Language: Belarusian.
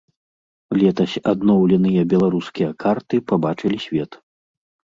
Летась адноўленыя беларускія карты пабачылі свет.